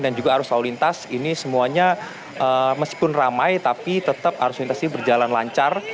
dan juga arus lalu lintas ini semuanya meskipun ramai tapi tetap arus lintas ini berjalan lancar